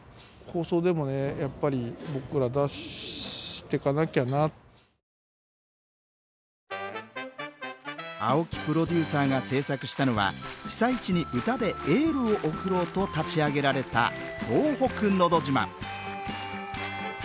震災が起きた時は青木プロデューサーが制作したのは被災地に歌でエールを送ろうと立ち上げられた「東北のど自慢」